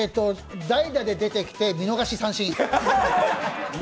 代打で出てきて見逃し三振。